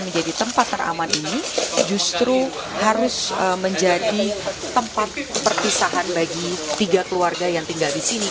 menjadi tempat teraman ini justru harus menjadi tempat perpisahan bagi tiga keluarga yang tinggal di sini